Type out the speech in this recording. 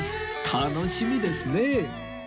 楽しみですねえ